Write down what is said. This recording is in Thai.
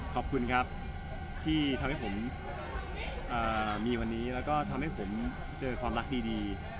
ขอบคุณครับที่ทำให้ผมมีวันนี้แล้วก็ทำให้ผมเจอความรักดี